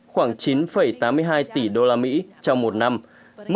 khoảng chín tám mươi hai tỷ đô la mỹ trong một năm